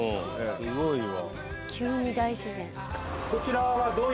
すごいわ。